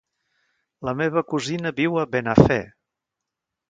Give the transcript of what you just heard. La meva cosina viu a Benafer.